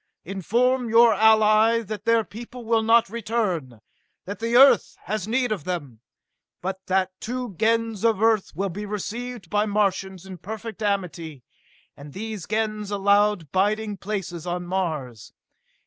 Inform your ally that their people will not return, that the Earth has need of them but that two Gens of Earth will be received by Martians in perfect amity, and these Gens allowed biding places on Mars!